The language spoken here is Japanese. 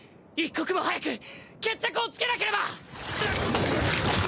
一刻も早く決着をつけなければ！